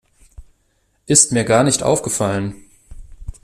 Ist mir gar nicht aufgefallen.